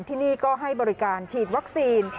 ที่นี่ก็ให้บริการฉีดวัคซีน